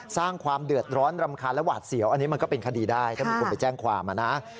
สร้างความเดือดร้อนรำคาญและหวาดเสียวอันนี้มันก็เป็นคดีได้ถ้ามีคนไปแจ้งความนะ